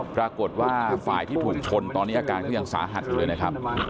ปรากฏว่าฝ่ายที่ถูกชนตอนนี้อาการเขายังสาหัสอยู่เลยนะครับ